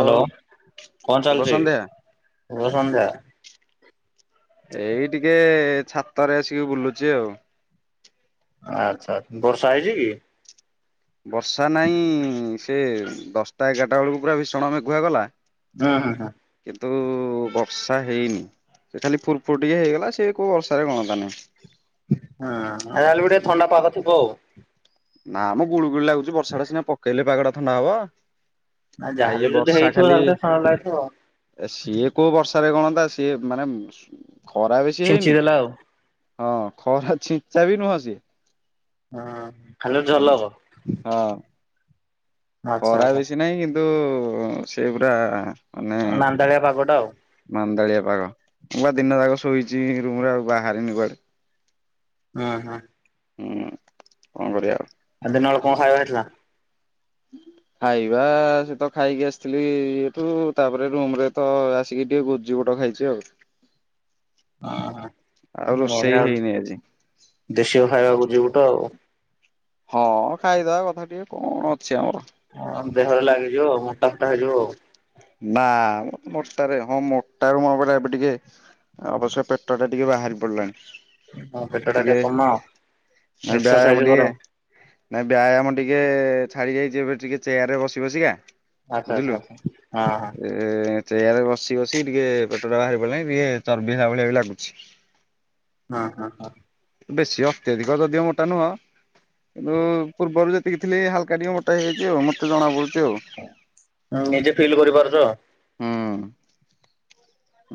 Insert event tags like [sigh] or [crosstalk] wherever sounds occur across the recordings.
Hello କଣ ଶୁଭ ଚାଲିଛି ସନ୍ଧ୍ୟା। ଶୁଭ ସନ୍ଧ୍ୟା। ଏଇ ଟିକେ ଛାତରେ ଆସିକି ବୁଲୁଛି ଆଉ। ଆଚ୍ଛା। ବର୍ଷା ହେଇଛି କି? ବର୍ଷା ନାହିଁ ସେ ଦଶଟା ଏଗାରଟା ବେଳକୁ ପୁରା ଭୀଷଣ ମେଘୁଆ କଲା। ହଁ ହଁ ହଁ। କିନ୍ତୁ ବର୍ଷା ହେଇନି। ସେ ଖାଲି ପୂର୍ଫୁର ଟିକେ ହେଇଗଲା ସେ କୋଉ ବର୍ଷାରେ ଗଣନ୍ତା ନାହିଁ। ହୁଁ ଯାହାହେଲେ ବି ଟିକେ ଥଣ୍ଡା ପାଗ ଥିବ ଆଉ। ନା ମ ଗୁଳିୁ ଗୁଳି ଲାଗୁଛି ବର୍ଷା ଟା ସିନା ପକେଇଲେ ପାାଗଟା ଥଣ୍ଡା ହବ। ନା ଯାହାେଲେ ଯଦି ହେଇଥିବ ତାହେଲେ ଟିକେ ଲାଗୁଥିବ। ଏ ସିଏ କୋଉ ବର୍ଷାରେ କଣନ୍ତା ସିଏ ମାନେ ଖରା ବେଶୀ ଛିଞ୍ଚି ହେଇନି ଦେଲା ଆଉ। ହଁ ଖରା ଛିଞ୍ଚା ବି ନୁହଁ ସିଏ। ହଁ ଖାଲି ଝଲକ। ହଁ ଆଚ୍ଛା ଖରା ଆଚ୍ଛା ବେଶୀ ନାହିଁ କିନ୍ତୁ ସେ ଗୁରା ମାନ୍ଦାଳିଆ ପାଗଟା ଆଉ। ମାନ୍ଦାଳିଆ ପାଗ ମୁଁ ବା ଦିନ ଯାକ ଶୋଇଛି ରୁମରେ ଆଉ ବାହାରିନି କୁଆଡେ। ଆଁ ହଁ। ହୁଁ କଣ କରିବା ଆଉ। ଆ ଦିନେବେଳେ କଣ ଖାଇବା ହେଇଥିଲା? ହୁଁ। ଖାଇବା ସେ ତ ଖାଇକି ଆସିଥିଲି ଏଇଠୁ ତାପରେ ରୁମ ରେ ତ ଆସିକି ଟିକେ ଗ ଜିିବୋଟ ଖାଇଛି ଆଉ। ହ ଆଉ ରୋଷେଇ ବଢ଼ିଆ ଆଉ ହେଇନି ଆଜି। ଦେଶୀୟ ଖାଇବାକୁ ଯିବୁ ତ ଆଉ। ହଁ ଖାଇଦବା କଥା ଟିକେ କଣ ଅଛି ଆମର। ହଁଅ ଦେହରେ ଲାଗିଯିବ ମୋଟା ଫୋଟା ହେଇଯିବ ଆଉ। ନା ମ ମୋଟାରେ, ହଁ ମୋଟାକୁ ମୁଁ ପରା ଏବେ ଟିକେ ଅବଶ୍ୟ ପେଟଟା ଟିକେ ବାହାରି ପଡିଲାଣି। ହଁ ପେଟ ଟା ଟିକେ ଟିକେ କମାଅ। ନାଇ ଏକ୍ସରସାଇଜ ବ୍ୟାୟାମ କର ଟିକେ ନାଇଁ ବ୍ୟାୟାମ ଟିକେ-ଏ-ଏ ଛାଡ଼ିଯାଇଛି ଏବେ ଟିକେ ଚେୟାରରେ ବସି ବସିକା ଆଚ୍ଛା ଆଚ୍ଛା ବୁଝିଲୁ ଆଚ୍ଛା ହଁ ଏ ଏ ଚେୟାରରେ ବସି ବସିି ଟିକେ ପେଟଟା ବାହାରି ପଡିଲାଣି ଟିକେ ଚର୍ବି ହେଲା ଭଳିଆ ବି ଲାଗୁଛି। ହଁ-ହଁ-ହଁ। ବେଶୀ ଅତ୍ୟଧିକ ଯଦିଓ ମୋଟା ନୁହଁ, କିନ୍ତୁ ପୂର୍ବରୁ ଯେ ଟିକେ ଥିଲି ହାଲକା ଟିକେ ମୋଟା ହେଇଯାଇଛି ଆଉ, ମତେ ଜଣା ପଡ଼ୁଛି ଆଉ। ଉଁ ନିଜେ ଫିଲ୍ କରିପାରୁଛ? ହୁଁ।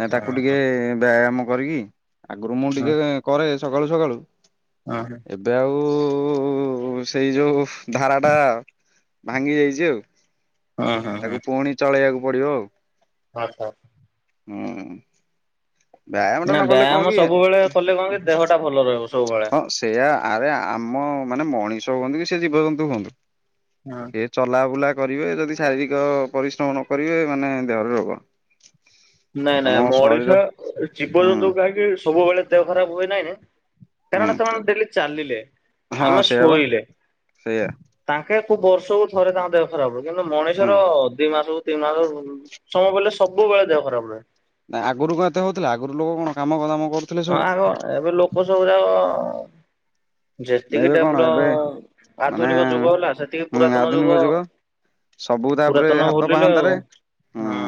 ନା ତାକୁ ଟିକେ ହଁ ବ୍ୟାୟାମ କରିକି ଆଗରୁ ମୁଁ ଟିକେ କରେ ସକାଳୁ ସକାଳୁ। ହଁ-ହଁ। ଏବେ ଆଉ-ଉ-ଉ-ଉ-ଉ ସେଇ ଯୋଉ ଧାରାଟା ଭାଙ୍ଗି ଯାଇଛି ଆଉ, ହଁ ତାକୁ ପୁଣି ଚଳେଇବାକୁ ପଡିବ ଆଉ। ଓହୋଃ। ହୁଁ ଉଁ। ବ୍ୟାୟାମଟା ନା ନ କଲେ କଣ ବ୍ୟାୟାମ ସବୁବେଳେ କଲେ କଣ କି, ଦେହଟା ଭଲ ରହିବ ସବୁବେଳେ। ହଁ ସେଇଆା ଆରେ ଆମ ମାନେ ମଣିଷ ହୁଅନ୍ତୁ କି ସେ ଜୀବଜନ୍ତୁ ହୁଅନ୍ତୁ। ହଁ। ଏ ଚଲାବୁଲା କରିବେ ଯଦି ଶାରୀରିକ ପରିଶ୍ରମ ନ କରିବେ ମାନେ ଦେହରେ ରୋଗ। ନାଇଁ ନାଇଁ ଆମ ମଣିଷ ଶରୀର ହୁଁ ଜୀବଜନ୍ତୁ କାହିଁକି ସବୁବେଳେ ଦେହ ଖରାପ ହୁଏ ନାଇଁ। ହୁଁ କାରଣ ସେମାନେ ଡେଲି ଚାଲିଲେ ହଁ ଆମେ ସେଇଆ ବା ଶୋଇଲେ। ସେଇଆ ତାଙ୍କେ କୋଉ ବର୍ଷକୁ ଥରେ ତାଙ୍କ ଦେହ ଖରାପ ହେବ କିନ୍ତୁ ହୁଁ। ମଣିଷର ଦି ମାସକୁ ଦି ମାସକୁ, ସମୟ ପଡିଲେ ସବୁବେଳେ ଦେହ ଖରାପ ରୁହେ। ନାଇଁ ଆଗରୁ କଣ ଏତେ ହଉଥିଲା ଆଗରୁ ଲୋକ କଣ କାମ ଦାମ କରୁ। ହଁ ଆଗ ଏବେ ଲୋକ ସବୁୁଯାକ ଯେତିକି ଏବେ କଣ ଡେଭଲପ ଏବେ ମାନେ ଆଧୁନିକ ଯୁଗ ହେଲା ସେତିକି ହୁଁ ପୁରାତନ ଆଧୁନିକ ଯୁଗ ସବୁ ତାପରେ ପୁରାତନ ହାତ ଭୁଲିଲେ ପାହାନ୍ତାରେ ଆଉ, ହୁଁ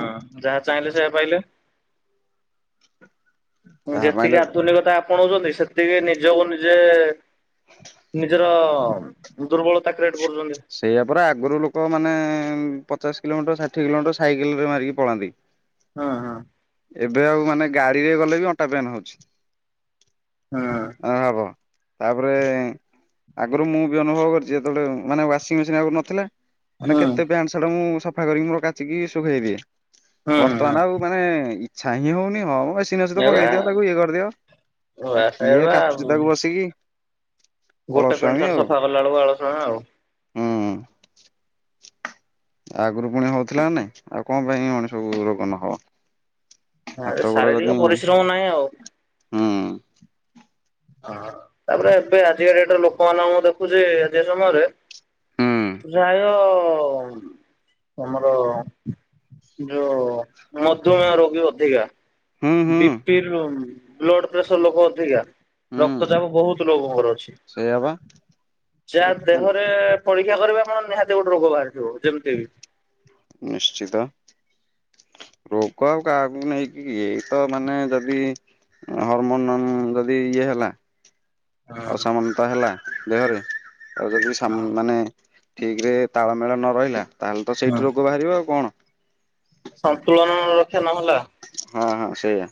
ଯାହା ଚାହିଁଲେ ସେଇଆ ପାଇଲେ। ଉଁ ଯାହା ଯେତିକି ପାଇଲେ ଆଧୁନିକତା ଆପଣଉଛନ୍ତି ସେତିକି ନିଜକୁ ନିଜେ ନିଜ ତ-ଅ-ଅ ଦୁର୍ବଳତା କ୍ରିଏଟ କରୁଛନ୍ତି। ସେଇଆା ପରା ଆଗରୁ ଲୋକ ମାନେ ପଚାଶ କିଲୋମିଟର ଷାଠିଏ କିଲୋମିଟର ସାଇକେଲରେ ମାରିକି ପଳାନ୍ତି। ହଁ ହଁ। ଏବେ ଆଉ ମାନେ ଗାଡିରେ ଗଲେ ବି ଅଣ୍ଟା ପେନ୍ ହଉଛି। ହୁଁ। ଆଉ [unintelligible] ତାପରେ ଆଗରୁ ମୁଁ ବି ଅନୁଭବ କରିଛି ଯେତେବେଳେ ମାନେ ୱାସିଂ ମେସିନ୍ ଆଗରୁ ନଥିଲା। ମାନେ ହଁ କେତେ ପ୍ୟାଣ୍ଟ ସାର୍ଟ ମୁଁ ସଫା କରିକି ମୋର କାଚିକି ଶୁଖେଇଦିଏ ହଁ ହଁ। ବର୍ତ୍ତମାନ ଆଉ ମାନେ ଇଛା ହିଁ ହଉନି ହଁ ମ ମେସ୍ ମେସିନ ଅଛି ତ ଏରା ପକେଇଦିଅ ତାକୁ ଇଏ କରିଦିଅ ଆଉ ବାସ କିଏ ଏରା କାଚୁଛି ତାକୁ ବସିକି। ଗୋଟେ ପେଣ୍ଟ ଅଳସୁଆମି ଶାର୍ଟ ଆଉ ସଫା କଲା ବେଳକୁ ଅଳସୁଆ ଆଉ। ହୁଁ। ଆଗରୁ ପୁଣି ହଉଥିଲା ନା ନାଇଁ ଆଉ କଣ ପାଇଁ ମଣିଷ କୁ ରୋଗ ନହବ। ହାତ ସାରି ଶାରୀରିକ ପରିଶ୍ରମ ନାହିଁ ଆଉ। ହଁ। ହଁ ତାପରେ ଏବେ ଆଜି ଡେଟରେ ଲୋକମାନଙ୍କୁ ମୁଁ ଦେଖୁଛି ଆଜିକା ସମୟରେ ହୁଁ [unintelligible] ଆମର ଯୋଉ ମଧୁମେହ ରୋଗୀ ଅଧିକା। ହୁଁ ହୁଁ B P low blood pressure ଲୋକ ଅଧିକା। ହୁଁ ରକ୍ତ ଚାପ ବହୁତ ଲୋକଙ୍କର ଅଛି ସେଇଆ ବା। ଯାହା ଦେହରେ ପରୀକ୍ଷା କରିବେ ଆପଣ ନିହାତି ଗୋଟେ ରୋଗ ବାହାରିଥିବ ଯେମତି ବି। ନିଶ୍ଚିତ। ରୋଗ ଆଉ କାହାକୁ ନାହିକୀ ଏଇ ତ ମାନେ ଯଦି ହରମୋନ ଯଦି ଇଏ ହେଲା। ହଁ ଅସାମାତ ହେଲା ଦେହରେ ଆଉ ଯଦି ସା ହଁ ମାନେ ଠିକ ରେ ତାଳମେଳ ନ ରହିଲା ତାହେଲେ ତ ସେଇଠି ରୋଗ ବାହାରିବ ଆଉ କଣ। ସନ୍ତୁଳନା ରକ୍ଷା ନହେଲା। ହଁ ହଁ ସେଇଆା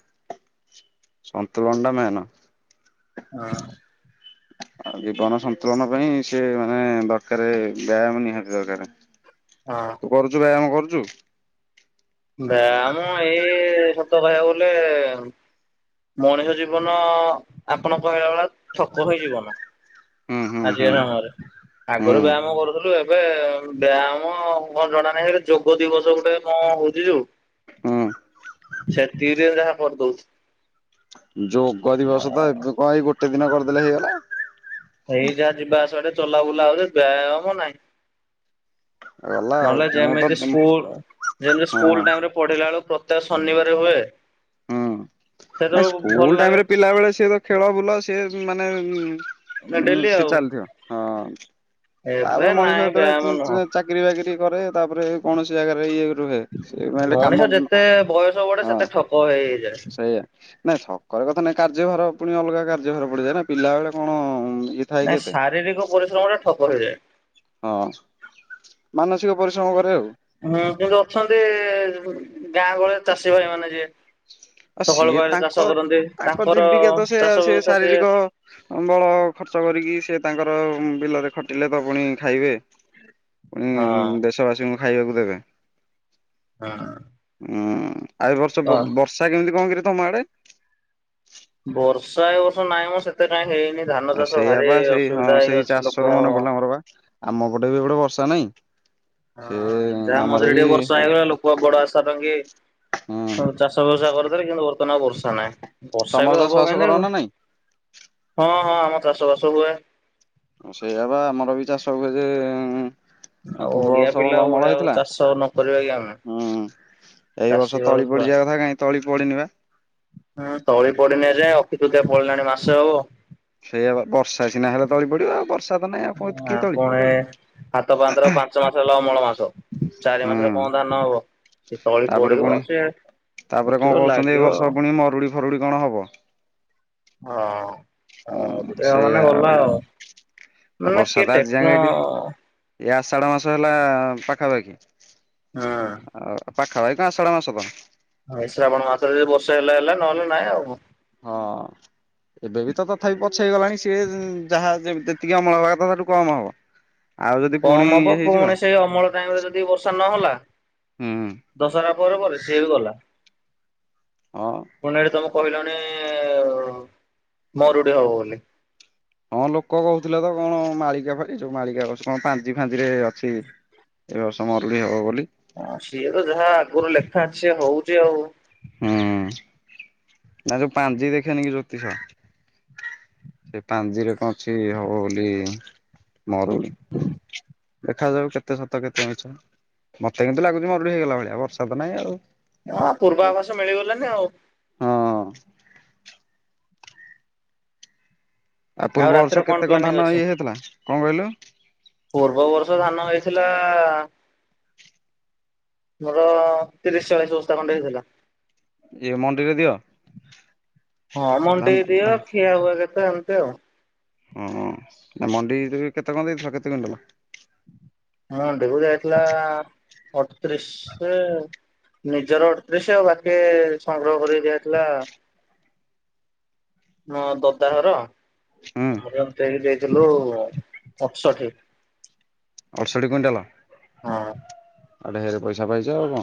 ସନ୍ତୁଳନା ଟା ମେନ। [unintelligible] ଆଉ ଜୀବନ ସନ୍ତୁଳନା ପାଇଁ ସେ ମାନେ ଦରକାର ବ୍ୟାୟାମ ନିହାତି ଦରକାର। ହଁ କରୁଚୁ ବ୍ୟାୟାମ କରୁଚୁ। ବ୍ୟାୟାମ ଏଇ ସତ କହିଆକୁ ଗଲେ ମଣିଷ ଜୀବନ ଆପଣ କହିଲା ଭଳିଆ ଥକ ହେଇ ଜୀବନ। ହୁଁ ହୁଁ ଆଜି ହୁଁ ହଁ ରେ ହୁଁ ଆଗରୁ ବ୍ୟାୟାମ କରୁଥିଲୁ ଏବେ ବ୍ୟାୟାମ କଣ ଜଣା ନାହିଁ ହେ ଯୋଗ ଦିବସ ଗୋଟେ କ ହଉ ଚି ଯୋଉ ହୁଁ। ସେତିକିରେ ଯାହା କରିଦଉଚି। ଯୋଗ ଦିବସ ତ ଏବେ କଣ ଏଇ ଗୋଟେ ଦିନ କରିଦେଲେ ହେଇଗଲା ଏଇ ଯାହା ଯିବା ଆସିବାଟା ଚଲାବୁଲା ହଉ ବ୍ୟାୟାମ ନାହିଁ। ଗଲା ଆଉ ନହେଲେ ମୁଁ ତ ଯେମିତି ସ୍କୁଲ ଯେମିତି ହଁ ସ୍କୁଲ ଟାଇମରେ ପଢିଲାବେଳୁ ପ୍ରତ୍ୟେକ ଶନିବାର ହୁଏ ହୁଁ ନାଇଁ ସେତେବେଳକୁ ଭଲ ସ୍କୁଲ ଲାଗେ ଟାଇମରେ ପିଲାବେଳେ ସ ତ ଖେଳ ବୁଲ ସିଏ ମାନେ ଉଁ ଡେଲି ସେ ଆଉ ଚାଲିଥିବ ହଁ ଏବେ ତାପରେ ମଣିଷ ନାଇଁ ବ୍ୟାୟାମ ଯେତବଳେ ନୁହଁ ଚା ଚାକିରି ବାକିରି କରି ତାପରେ କୌଣସି ଜାଗାରେ ଇଏ ରୁହେ। ସେ ମାନେ କାମ ମଣିଷ ଯେତେ ବୟସ ବଢେ ହଁ ସେତେ ଠକ ହେଇ ହେଇ ସେଇଆ। ନାଇଁ ଠକରେ କଥା ନାଇଁ କାର୍ଯ୍ୟଭାର ପୁଣି ଅଲଗା କାର୍ଯ୍ୟଭାର ପଡିଯାଏ ନା ପିଲାବେଳେ କଣ ଇ ନାଇଁ ଶାରୀରିକ ପରିଶ୍ରମଟା ଠକ ହେଇଯାଏ। ହଁ ମାନସିକ ପରିଶ୍ରମ କରେ ଆଉ। ହଁ କିନ୍ତୁ ଅଛନ୍ତି ଗାଁ ଗହଳିରେ ଚାଷୀ ଭାଇମାନେ ଯିଏ ଆଉ ସକାଳ ସିଏ ପାହିଲେ ତାଙ୍କ ଚାଷ କରନ୍ତି ତାଙ୍କ ତାଙ୍କର ଚାଷ ବ୍ୟବସାୟ ସେ ଅମଳ ଖର୍ଚ୍ଚ କରିକି ସେ ତାଙ୍କର ବିଲରେ ଖଟିଲେ ତ ପୁଣି ଖାଇବେ। ପୁଣି ଦେଶବାସୀଙ୍କୁ ଖାଇବାକୁ ଦେବେ। ହଁ। ହୁଁ ଆ ଏ ବର୍ଷ ହଁ ବର୍ଷା କେମିତି କଣ କିରେ ତମ ଆଡେ? ବର୍ଷା ଏ ବର୍ଷ ନାଇଁ ମ ସେତେ କାଇଁ ହେଇନି। ଧାନ ଆ ଚାଷ ସେଇଆ ଭାରି ବା ସେଇ ହଁ ଅସୁବିଧା ହେଇ ସେଇ ଅଛି ଲୋକ ଚାଷରୁ ମନ ପଡିଲା ମୋର ବା ଆମ ପଟେ ବି ଏପଟେ ବର୍ଷା ନାଇଁ ହଁ ଯାହା ମଝିରେ ଟିକେ ବର୍ଷା ହେଇଗଲା ଲୋକ ବଡ ଆଶା ନଙ୍ଗେ ହୁଁ ହାଉ ଚାଷ ବ୍ୟବସାୟ କରୁଥେଲେ କିନ୍ତୁ ବର୍ତ୍ତମାନ ଆଉ ବର୍ଷା ନାହିଁ ବର୍ଷା ତମର ବି ଚାଷ ହବ ବାସ କର ମେନେ ଆଉ। ନା ନାଇଁ? ହଁ ହଁ ଆମର ଚାଷବାସ ହୁଏ। ଆଉ ସେଇଆ ବା ଆମର ବି ଚାଷ ହୁଏ ଯେ ଉଁ ଆଁ ଆଉ ପୂର୍ବ ଓଡିଆ ବର୍ଷ ପିଲା ଭଲ ଅମଳ ଓଡିଆ ହେଇଥିଲା ଚାଷ ନ କରିବା କି ଆମେ ହୁଁ ଏଇ ଚାଷୀ ବର୍ଷ ଘର ତଳି ଛୁଆ। ପଡିଯିବା କଥା କାଇଁ ତଳି ପଡିିନି ବା। ହଁ ତଳି ପଡିିନି ଏଯାଏ ଅଖିତୃତୀୟା ପଳେଇଲାଣି ମାସେ ହବ। ସେଇଆ ବା ବର୍ଷା ସିନା ହେଲେ ତଳି ପଡିବ ବର୍ଷ୍ ଉଁ ଆ ପରେ ହାତ ପାହାନ୍ତାରେ ପାଞ୍ଚମାସ ଗଲେ ଅମଳ ମାସ। ଚାରି ମାସେରେ କଁ ହୁଁ। ଧାନ ହବ ସେ ତାପରେ ତଳିପଡିବ ପୁଣି ସିଏ ତାପରେ କଁ କହୁଛନ୍ତି ଏ ବର୍ଷ ପୁଣି ମରୁଡି ଫରୁଡି କଣ ହବ। ହଁ। ଓ ହୁଁ [unintelligible] ସେଇଆ ମାନେ ଗଲା ଆଉ ଆଉ ମାନେ ବର୍ଷା ତ କେ ଆଜି ଯାଙ୍କେ ଟେକ୍ନୋ ଏଠି ଏ ଆଷାଢ ମାସ ହେଲା ପାଖାପାଖି ଆଉ ପାଖାପାଖି ତ ଆଷାଢ ମାସ କଣ। ହଁ ଏଇ ଶ୍ରାବଣ ମାସେରେ ଯଦି ବର୍ଷା ହେଲା ହେଲା ନହେଲେ ନାଇଁ ଆଉ ହଁ। ଏବେ ବି ତ ତଥାପି ପଛେଇଇ ଗଲାଣି ସିଏ ଉଁ ଯାହା ଯେ ଯେତିକି ଅମଳ ହବା କଥା ତାଠୁ କମ୍ ହବ। ଆଉ ଯଦି ପୁଣି କମ୍ ହବ ଇଏ ହେଇଯିବ ପୁଣି ସେ ଅମଳ ଟାଇମରେ ଯଦି ବର୍ଷା ନହେଲା ହୁଁ ଦଶରା ପରେ ପରେ ସିଏ ବି ଗଲା। ଅଁ। ପୁଣି ଏଠି ତମେ କହିଲଣି ମରୁଡି ହବ ବୋଲି। ହଁ ଲୋକ କହୁଥିଲେ ତ କଣ ମାଳିକା ପା ଏ ଯୋଉ ମାଳିକା କହୁଛି କଁ ପାଞ୍ଜି ଫାଞ୍ଜିରେ ଅଛି ଏ ବର୍ଷ ମରୁଡି ହବ ବୋଲି। ହଁ ସିଏ ତ ଯାହା ଆଗୁରୁ ଲେଖା ଅଛି ହଉଚି ଆଉ। ହୁଁ ନା ଯୋଉ ପାଞ୍ଜି ଦେଖେନି କି ଜୋତିଷ ସେ ପାଞ୍ଜିରେ କଁ ଅଛି ହବ ବୋଲି ମରୁଡି। ଦେଖାଯାଉ କେତେ ସତ କେତେ ମିଛ। ମତେ କିନ୍ତୁ ଲାଗୁଛି ମରୁଡି ହେଇଗଲା ଭଳିଆ ବର୍ଷା ତ ନାହିଁ ଆଉ। ହଁ ପୂର୍ବା ଆଭାସ ମିଳିଗଲାନି ଆଉ। ହଁ ଆଉ ପୂର୍ବ ବର୍ଷ ରାତିରେ କଣ କେତେ କଁ ପ୍ଲାନିଂ ଧାନ ଅଛି? ଇଏ ହେଇଥିଲା କଁ କହିଲୁ? ପୂର୍ବ ବର୍ଷ ଧାନ ହେଇଥିଲା ମୋର ତିରିଶ ଚାଳିଶ ବସ୍ତା ଖଣ୍ଡେ ହେଇଥିଲା। ଇଏ ମଣ୍ଡିରେ ଦିଅ। ହଁ ଧାନ ମଣ୍ଡିରେ ଧା ଦିଅ ଖିଆ ହୁଏ କେତେ ଏମତି ଆଉ। ହଁ ମଣ୍ଡିକି ଯୋଉ ଏ କେତେ କଁ ଦେଇଥିଲ କେତେ କୁଇଣ୍ଟାଲ। ମଣ୍ଡିକୁ ଯାଇଥିଲା ଅଡତିରିଶି ନିଜର ଅଡତିରିଶି ଆଉ ବାକି ସଂଗ୍ରହ କରିକି ଦିଆହେଇଥିଲା ନ ଦଦାଘର ହୁଁ ଆମର ମିଶେଇକି ଦେଇଥିଲୁ ଅଠଷଠି। ଅଡଷଠି କୁଇଣ୍ଟାଲ। ହଁ। ଆଉ ଢେରେ ପଇସା ପାଇଛ ଆଉ କଁ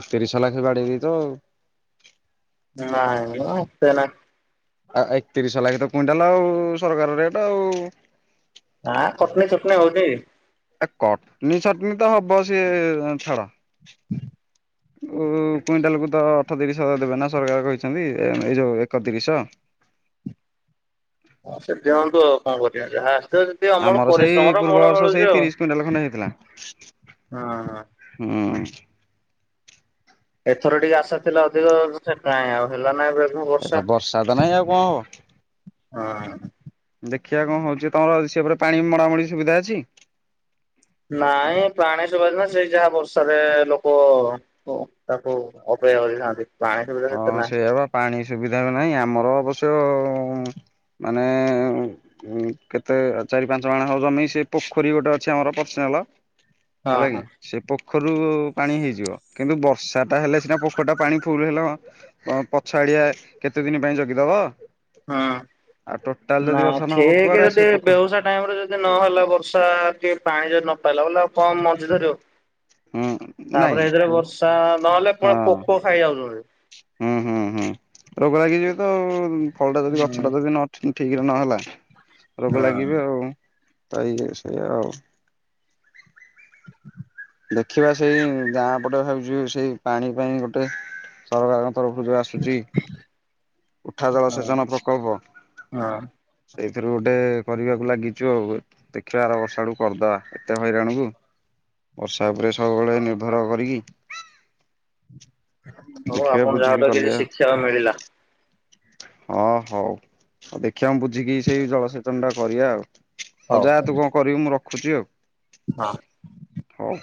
ଏକତିରିଶହ ଲାଖେ ବାଡେଇ ଦେଇଚ ଆଉ। ନାଁଇ ମ ଏତେ ନାହିଁ। ଆ ଏକତିରିଶ ଲାଖ ତ କୁଇଣ୍ଟାଲ ଆଉ ସରକାର ରେଟ୍ ଆଉ। ଆଁ କଟନୀ ଛଟନୀ ହୋଉଚି। ଆ କଟନୀ ଛଟନୀ ତ ହବ ସିଏ ଛାଡ। [inaudible] ଉ କୁଇଣ୍ଟାଲକୁ ତ ଅଠତିରିଶ ଦେବେ ନା ସରକାର କହିଚନ୍ତି। ଏଇ ଯୋଉ ଏକତିରିଶ। ହଁ ସିଏ ଦିଅନ୍ତୁ ଆଉ କରିବା ଯାହା ଆସିଥିବ। ସେ ଆମର ସେଇ ପୂର୍ବ ବର୍ଷ ସେଇ ତିରିଶ କୁଇଣ୍ଟାଲ ଖଣ୍ଡେ ହେଇଥିଲା। ହଁ ହୁଁ। ଏଥର ଟିକେ ଆଶା ଥିଲା ଅଧିକ ସେ ଳକାଇଁ ଆଉ ହେଲା ନାଁଇ [unintelligible] ଏ ତ ବର୍ଷା ତ ନାହିଁ ଆଉ କଣ ହବ। ଅ ହଁ। ଦେଖିଆ କ ହୋଉଚି। ତମର ସେପଟେ ପାଣି ମଡାମଡି ସୁବିଧା ଅଛି। ନାଇଁ ପାଣି ସୁଭିଦା ସେଇ ଯାହା ବର୍ଷାରେ ଲୋକ ଓ ତାକୁ ଅପେକ୍ଷା କରିଥାନ୍ତି। ପାଣି ସୁବିଧା ହଁ ସେତେ ନାହିଁ ସେୟା ବା ପାଣି ସୁବିଧା ବି ନାହିଁ। ଆମର ଅବଶ୍ୟ ଉଁ ମାନେ ଏ ଉଁ ଉଁ କେତେ ଚାରି ପାଞ୍ଚ ମାଣେ ହବ ଜମି ସେ ପୋଖରୀ ଗୋଟେ ଅଛି ଆମର ପର୍ସିନାଲ। ହଁ ହେଲାକି ହଁ ସେ ପୋଖରୀରୁ ପାଣି ହେଇଯିବ କିନ୍ତୁ ବର୍ଷାଟା ହେଲେ ସିନା ପୋଖରୀ ଟା ପାଣି ଫୁଲ ହେଲେ ହଁ ଅଁ ପଛ ଆଡିଆ କେତେ ଦିନ ପାଇଁ ଜଗିଦବ। ହଁ ଆଉ ଟୋଟାଲ ନାଁ ଯଦି ବର୍ଷା ନହବ ଠିକ୍ କୁଆଡେ ଆସିବ ଯଦି ପୋଖରୀ ବେଉସା ଟାଇମ୍ ରେ ଯଦି ନହେଲା ବର୍ଷା କି ପାଣି ଯଦି ନ ପାଇଲା ବୋଲେ ଆଉ କମ୍ ମଞ୍ଜି ଧରିବ। ହୁଁ ନାଇଁ ତାପରେ ଏଥିରେ ତୁ ବର୍ଷା ନହେଲେ ହଁ କଣ ପୋକ ଖାଇଯାଉଚନ୍ତି। ହୁଁ ହୁଁ ହୁଁ ରୋଗ ଲାଗିଯିବେ ତ ଆଉ ଫଳଟା ଯଦି ଗଛ ହୁଁ ଟା ଯଦି ନ ଠି-ଠକ୍ ରେ ନହେଲା ରୋଗ ହଁ ଲାଗିବେ ଆଉ ତା ଇଏ ସେୟା ଆଉ। ଦେଖିବା ସେଇ ଗାଁ ପଟେ ଭାବିଚୁ ସେଇ ପାଣି ପାଇଁ ଗୋଟେ ସରକାରଙ୍କ ତରଫରୁ ଯୋଉ ଆସୁଚି ଉଠା ହଁ ଜଳସେଚନ ପ୍ରକଳ୍ପ। ହଁ ସେଇଥିରୁ ଗୋଟେ କରିବାକୁ ଲାଗିଚୁ ଆଉ ଦେଖିବା ଆର ବର୍ଷ ଆଡକୁ କରିଦବା ଏତେ ହଇରାଣକୁ ବର୍ଷା ଉପରେ ସବୁବେଳେ ନିର୍ଭର କରିକି ହଉ ଦେଖିବା ଆପଣ ଯାହାଠୁ ବୁଝିକି କିଛି କଲିବା। ଶିଖିବାକୁ ମିଳିଲା ହଁ ହୋଉ, ହୋଉ ଦେଖିବା ମୁଁ ବୁଝିକି ସେଇ ଜଳସେଚନ ଟା କରିବା ଆଉ। ହୋଉ ହଉ ଜା ତୁ କଣ କରିବୁ। ମୁଁ ରଖୁଚି ଆଉ। ହଁ। ହୋଉ।